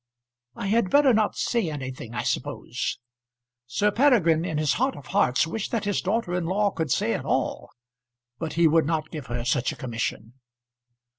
"I had better not say anything I suppose?" Sir Peregrine, in his heart of hearts wished that his daughter in law could say it all, but he would not give her such a commission.